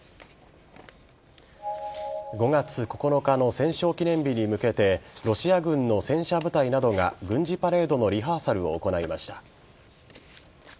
５月９日の戦勝記念日に向けてロシア軍の戦車部隊などが軍事パレードのリハーサルを行いました。